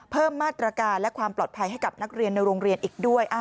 เพิ่มมาตรการและความปลอดภัยให้กับนักเรียนในโรงเรียนอีกด้วย